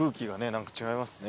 何か違いますね。